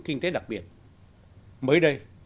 kinh tế đặc biệt mới đây